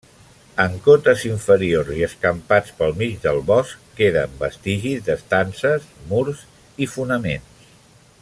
En cotes inferiors i escampats pel mig del bosc queden vestigis d'estances, murs i fonaments.